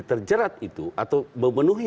terjerat itu atau memenuhi